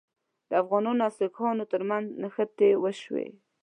د افغانانو او سیکهانو ترمنځ نښتې وشوې.